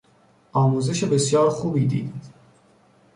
آموزش بسیار خوبی دید.